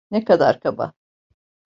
Ne kadar kaba!